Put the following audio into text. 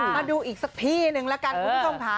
มาดูอีกสักที่หนึ่งแล้วกันคุณผู้ชมค่ะ